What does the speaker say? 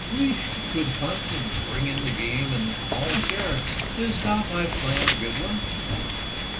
We could hunt and bring in the game and all share it. Is not my plan a good one?"